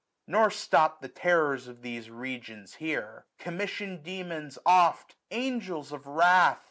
Nor stop the terrors of these regions here* Commissioned demons oft, angels of wrath